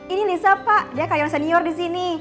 ini lisa pak dia karyawan senior di sini